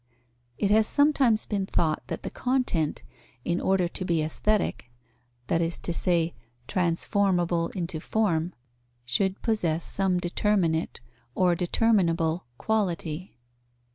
It has sometimes been thought that the content, in order to be aesthetic, that is to say, transformable into form, should possess some determinate or determinable quality.